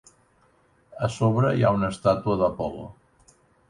A sobre hi ha una estàtua d'Apol·lo.